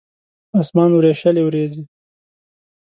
اسمان وریشلې وریځې